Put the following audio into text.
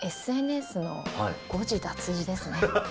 ＳＮＳの誤字脱字ですね。